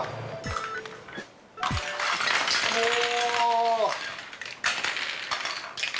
おお！